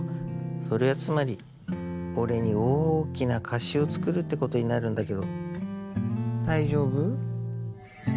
それはつまり俺に大きな貸しを作るってことになるんだけど大丈夫？